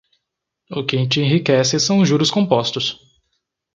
O que te enriquece são os juros compostos